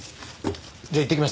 じゃあいってきます。